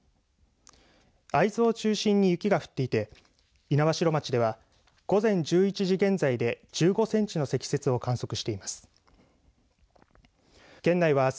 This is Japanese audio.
会津を中心に雪が降っていて猪苗代町では午前１１時現在で１５センチの積雪を観測しています。